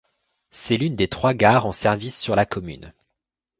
C'est l'une des trois gares en service sur la commune.